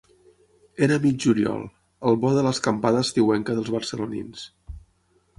Era a mig juliol, al bo de l'escampada estiuenca dels barcelonins.